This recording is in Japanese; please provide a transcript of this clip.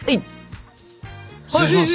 失礼します！